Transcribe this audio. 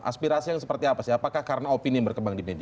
aspirasi yang seperti apa sih apakah karena opini yang berkembang di media